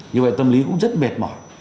như vậy tâm lý cũng rất mệt mỏi